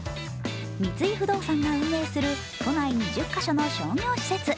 三井不動産が運営する都内２０カ所の商業施設。